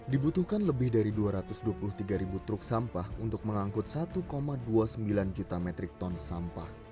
dibutuhkan lebih dari dua ratus dua puluh tiga ribu truk sampah untuk mengangkut satu dua puluh sembilan juta metrik ton sampah